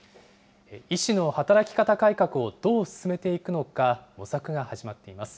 医師の働き方改革をどう進めていくのか、模索が始まっています。